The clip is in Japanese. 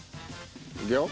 いくよ。